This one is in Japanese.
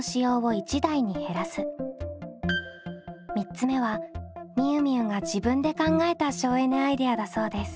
３つ目はみゆみゆが自分で考えた省エネアイデアだそうです。